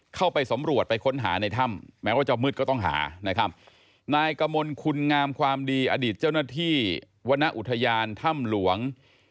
เข้าไปสำรวจไปค้นหาในถ้ำแม้ว่าจะมืดก็ต้องหานะครับนายกมลคุณงามความดีอดีตเจ้าหน้าที่วรรณอุทยานถ้ำหลวง